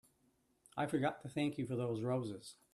I forgot to thank you for those roses.